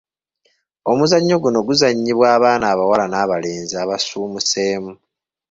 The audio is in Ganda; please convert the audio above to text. Omuzannyo guno guzannyiwa abaana abawala n'abalenzi abasuumuseemu.